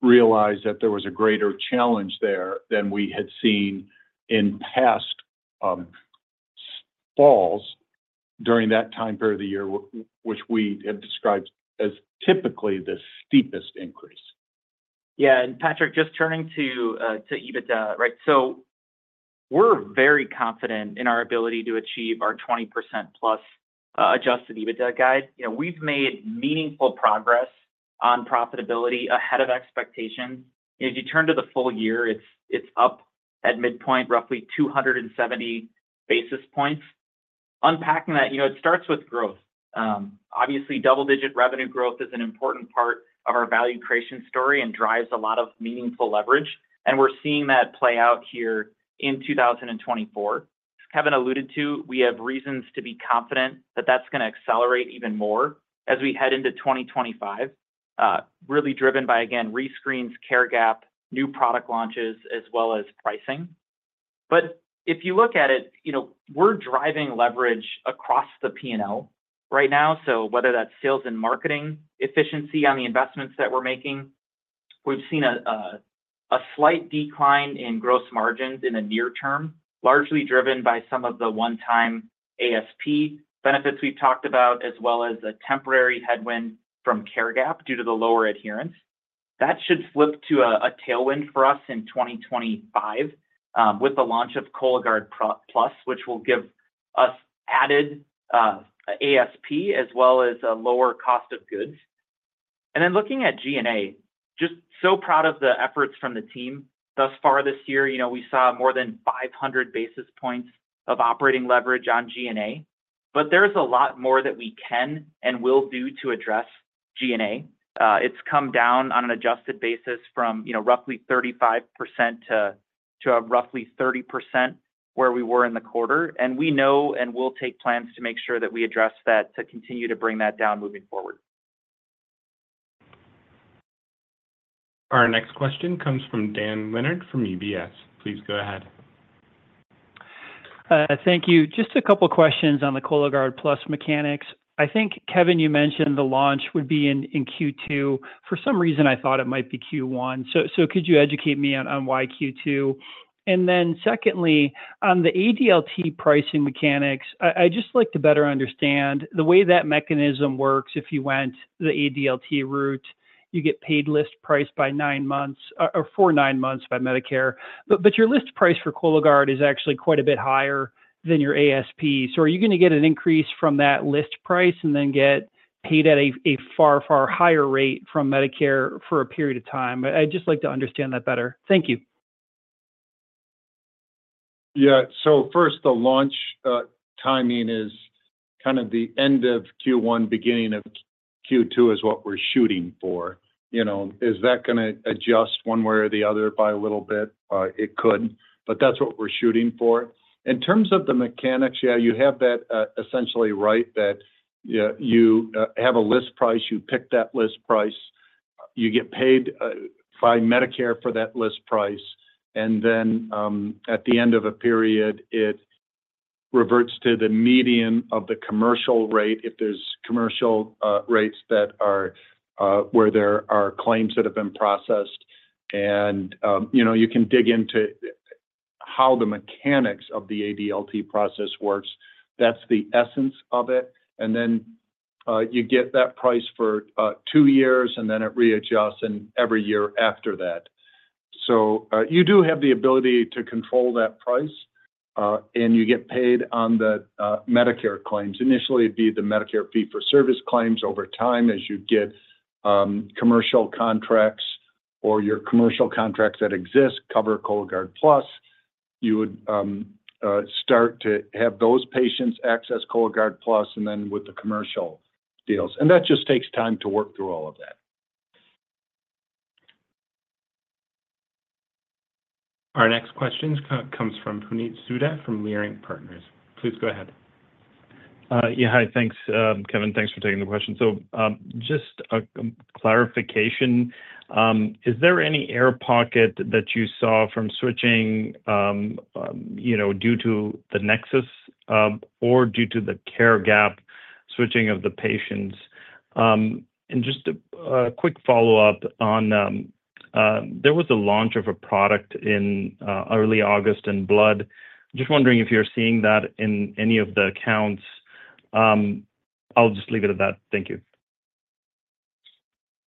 realized that there was a greater challenge there than we had seen in past falls during that time period of the year, which we have described as typically the steepest increase. Yeah. And, Patrick, just turning to EBITDA, right? So we're very confident in our ability to achieve our 20% plus Adjusted EBITDA guide. We've made meaningful progress on profitability ahead of expectations. If you turn to the full year, it's up at midpoint, roughly 270 basis points. Unpacking that, it starts with growth. Obviously, double-digit revenue growth is an important part of our value creation story and drives a lot of meaningful leverage. And we're seeing that play out here in 2024. As Kevin alluded to, we have reasons to be confident that that's going to accelerate even more as we head into 2025, really driven by, again, rescreens, care gap, new product launches, as well as pricing. But if you look at it, we're driving leverage across the P&L right now. So whether that's sales and marketing efficiency on the investments that we're making, we've seen a slight decline in gross margins in the near term, largely driven by some of the one-time ASP benefits we've talked about, as well as a temporary headwind from care gap due to the lower adherence. That should flip to a tailwind for us in 2025 with the launch of Cologuard Plus, which will give us added ASP as well as a lower cost of goods. And then looking at G&A, just so proud of the efforts from the team thus far this year. We saw more than 500 basis points of operating leverage on G&A. But there's a lot more that we can and will do to address G&A. It's come down on an adjusted basis from roughly 35% to roughly 30% where we were in the quarter. We know and will take plans to make sure that we address that to continue to bring that down moving forward. Our next question comes from Dan Leonard from UBS. Please go ahead. Thank you. Just a couple of questions on the Cologuard Plus mechanics. I think, Kevin, you mentioned the launch would be in Q2. For some reason, I thought it might be Q1. So could you educate me on why Q2? And then secondly, on the ADLT pricing mechanics, I'd just like to better understand the way that mechanism works. If you went the ADLT route, you get paid list price for nine months or 49 months by Medicare. But your list price for Cologuard is actually quite a bit higher than your ASP. So are you going to get an increase from that list price and then get paid at a far, far higher rate from Medicare for a period of time? I'd just like to understand that better. Thank you. Yeah. So first, the launch timing is kind of the end of Q1, beginning of Q2 is what we're shooting for. Is that going to adjust one way or the other by a little bit? It could. But that's what we're shooting for. In terms of the mechanics, yeah, you have that essentially right that you have a list price, you pick that list price, you get paid by Medicare for that list price. And then at the end of a period, it reverts to the median of the commercial rate if there's commercial rates that are where there are claims that have been processed. And you can dig into how the mechanics of the ADLT process works. That's the essence of it. And then you get that price for two years, and then it readjusts every year after that. So you do have the ability to control that price, and you get paid on the Medicare claims. Initially, it'd be the Medicare fee for service claims. Over time, as you get commercial contracts or your commercial contracts that exist cover Cologuard Plus, you would start to have those patients access Cologuard Plus and then with the commercial deals. And that just takes time to work through all of that. Our next question comes from Puneet Souda from Leerink Partners. Please go ahead. Yeah. Hi. Thanks, Kevin. Thanks for taking the question. So just a clarification. Is there any air pocket that you saw from switching due to the Nexus or due to the care gap switching of the patients? And just a quick follow-up on there was a launch of a product in early August in blood. Just wondering if you're seeing that in any of the accounts. I'll just leave it at that. Thank you.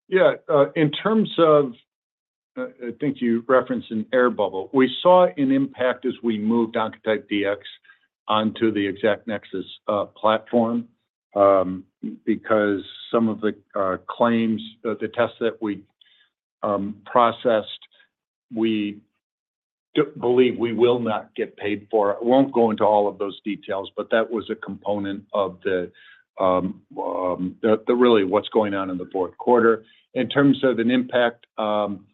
Yeah. In terms of, I think you referenced an air bubble. We saw an impact as we moved Oncotype DX onto the ExactNexus platform because some of the claims, the tests that we processed, we believe we will not get paid for. I won't go into all of those details, but that was a component of really what's going on in the fourth quarter. In terms of an impact in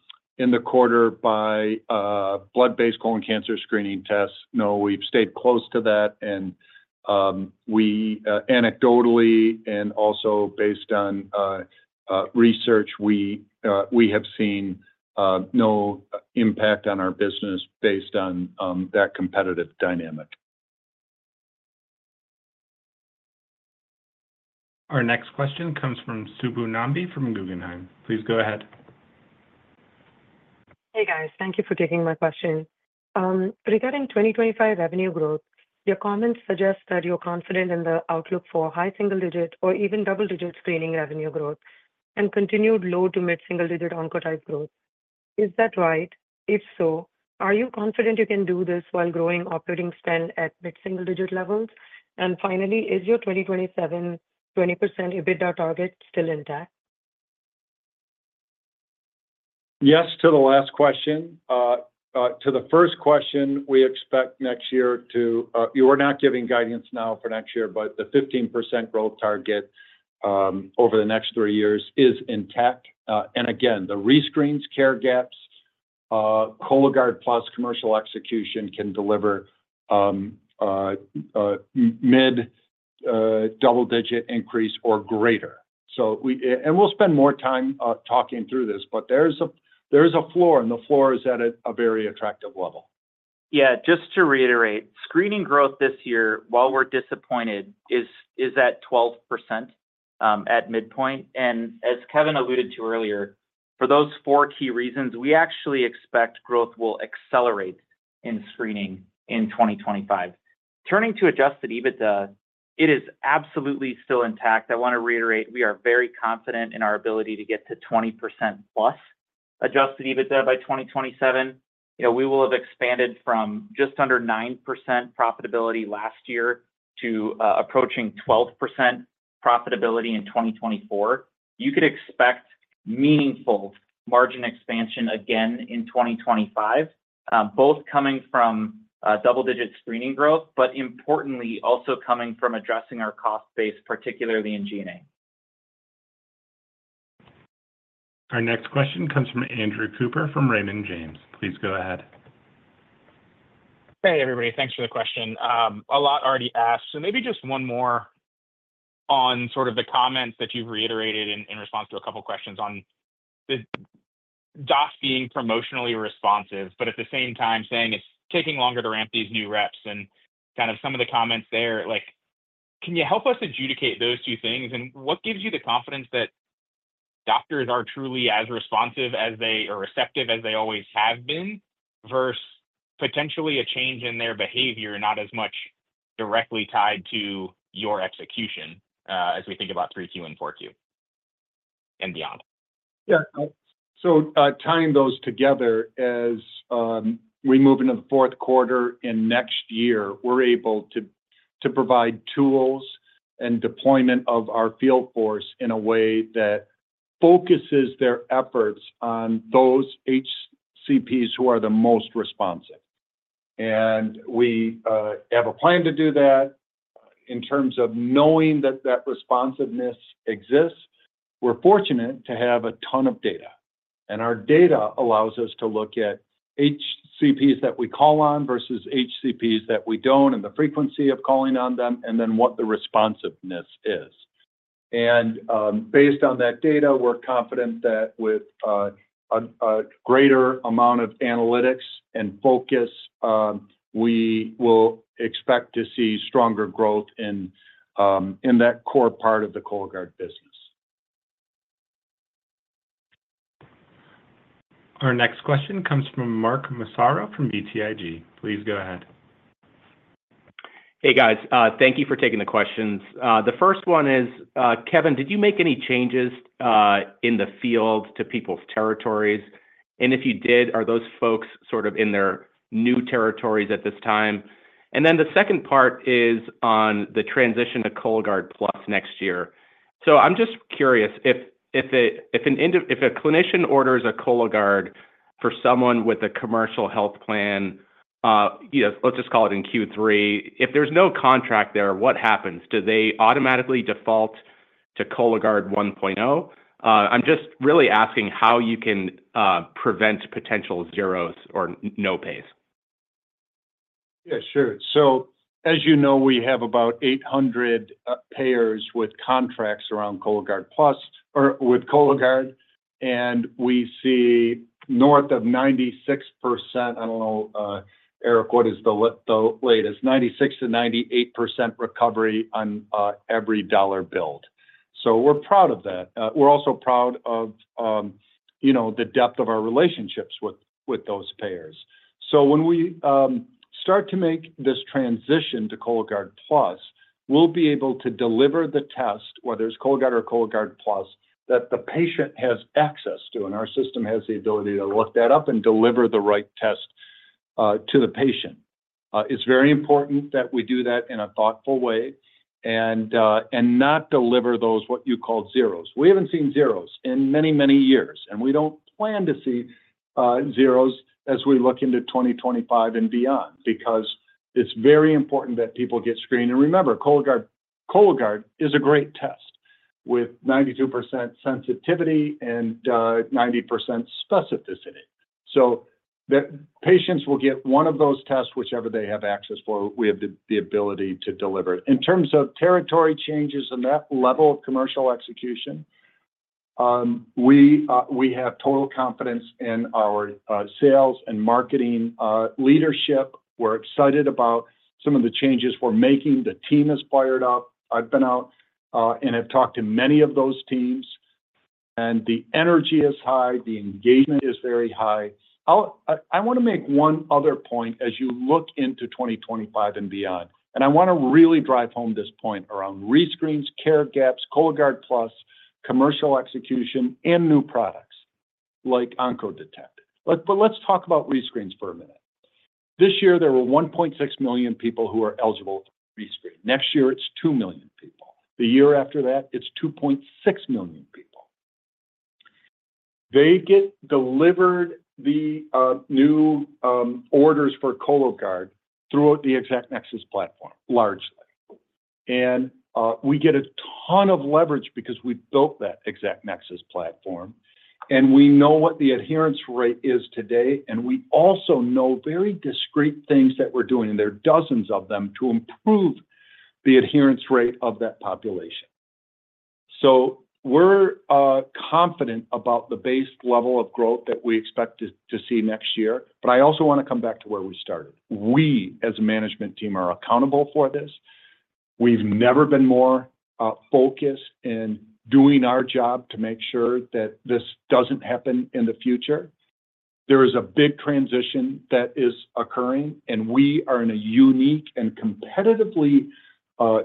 the quarter by blood-based colon cancer screening tests, no, we've stayed close to that, and anecdotally and also based on research, we have seen no impact on our business based on that competitive dynamic. Our next question comes from Subu Nambi from Guggenheim. Please go ahead. Hey, guys. Thank you for taking my question. Regarding 2025 revenue growth, your comments suggest that you're confident in the outlook for high single-digit or even double-digit screening revenue growth and continued low to mid-single-digit Oncotype DX growth. Is that right? If so, are you confident you can do this while growing operating spend at mid-single-digit levels? And finally, is your 2027 20% EBITDA target still intact? Yes to the last question. To the first question, we expect next year. You're not giving guidance now for next year, but the 15% growth target over the next three years is intact. And again, the rescreens, care gaps, Cologuard Plus commercial execution can deliver mid-double-digit increase or greater. And we'll spend more time talking through this, but there's a floor, and the floor is at a very attractive level. Yeah. Just to reiterate, screening growth this year, while we're disappointed, is at 12% at midpoint. And as Kevin alluded to earlier, for those four key reasons, we actually expect growth will accelerate in screening in 2025. Turning to Adjusted EBITDA, it is absolutely still intact. I want to reiterate, we are very confident in our ability to get to 20% plus Adjusted EBITDA by 2027. We will have expanded from just under 9% profitability last year to approaching 12% profitability in 2024. You could expect meaningful margin expansion again in 2025, both coming from double-digit screening growth, but importantly, also coming from addressing our cost base, particularly in G&A. Our next question comes from Andrew Cooper from Raymond James. Please go ahead. Hey, everybody. Thanks for the question. A lot already asked. So maybe just one more on sort of the comments that you've reiterated in response to a couple of questions on the docs being promotionally responsive, but at the same time saying it's taking longer to ramp these new reps. And kind of some of the comments there, can you help us adjudicate those two things? And what gives you the confidence that doctors are truly as responsive or receptive as they always have been versus potentially a change in their behavior, not as much directly tied to your execution as we think about 3Q and 4Q and beyond? Yeah. So tying those together, as we move into the fourth quarter in next year, we're able to provide tools and deployment of our field force in a way that focuses their efforts on those HCPs who are the most responsive. And we have a plan to do that. In terms of knowing that that responsiveness exists, we're fortunate to have a ton of data. And our data allows us to look at HCPs that we call on versus HCPs that we don't and the frequency of calling on them and then what the responsiveness is. And based on that data, we're confident that with a greater amount of analytics and focus, we will expect to see stronger growth in that core part of the Cologuard business. Our next question comes from Mark Massaro from BTIG. Please go ahead. Hey, guys. Thank you for taking the questions. The first one is, Kevin, did you make any changes in the field to people's territories? And if you did, are those folks sort of in their new territories at this time? And then the second part is on the transition to Cologuard Plus next year. So I'm just curious, if a clinician orders a Cologuard for someone with a commercial health plan, let's just call it in Q3, if there's no contract there, what happens? Do they automatically default to Cologuard 1.0? I'm just really asking how you can prevent potential zeros or no pays. Yeah, sure. So as you know, we have about 800 payers with contracts around Cologuard Plus or with Cologuard. And we see north of 96%. I don't know, Mark, what is the latest? 96%-98% recovery on every dollar billed. So we're proud of that. We're also proud of the depth of our relationships with those payers. So when we start to make this transition to Cologuard Plus, we'll be able to deliver the test, whether it's Cologuard or Cologuard Plus, that the patient has access to. And our system has the ability to look that up and deliver the right test to the patient. It's very important that we do that in a thoughtful way and not deliver those what you call zeros. We haven't seen zeros in many, many years. And we don't plan to see zeros as we look into 2025 and beyond because it's very important that people get screened. And remember, Cologuard is a great test with 92% sensitivity and 90% specificity. So patients will get one of those tests, whichever they have access for. We have the ability to deliver. In terms of territory changes and that level of commercial execution, we have total confidence in our sales and marketing leadership. We're excited about some of the changes we're making. The team has fired up. I've been out and have talked to many of those teams. And the energy is high. The engagement is very high. I want to make one other point as you look into 2025 and beyond. And I want to really drive home this point around rescreens, care gaps, Cologuard Plus, commercial execution, and new products like Oncodetect. Let's talk about rescreens for a minute. This year, there were 1.6 million people who were eligible for rescreen. Next year, it's 2 million people. The year after that, it's 2.6 million people. They get delivered the new orders for Cologuard throughout the ExactNexus platform, largely. And we get a ton of leverage because we've built that ExactNexus platform. And we know what the adherence rate is today. And we also know very discrete things that we're doing. And there are dozens of them to improve the adherence rate of that population. So we're confident about the base level of growth that we expect to see next year. But I also want to come back to where we started. We, as a management team, are accountable for this. We've never been more focused in doing our job to make sure that this doesn't happen in the future. There is a big transition that is occurring, and we are in a unique and competitively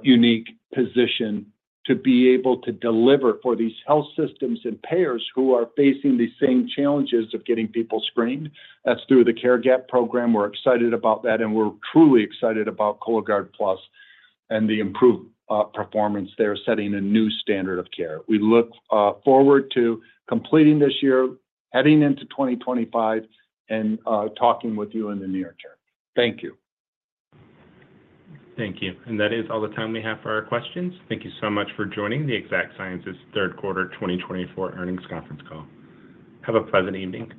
unique position to be able to deliver for these health systems and payers who are facing the same challenges of getting people screened. That's through the care gap program. We're excited about that, and we're truly excited about Cologuard Plus and the improved performance there, setting a new standard of care. We look forward to completing this year, heading into 2025, and talking with you in the near term. Thank you. Thank you. And that is all the time we have for our questions. Thank you so much for joining the Exact Sciences third quarter 2024 earnings conference call. Have a pleasant evening.